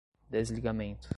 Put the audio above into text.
desligamento